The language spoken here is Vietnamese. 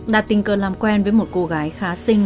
đạt tình cờ làm quen với một cô gái khá sinh